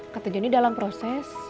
kata jonny dalam proses